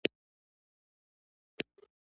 ويې ويل دا چې ګډېګي دا سوک دې.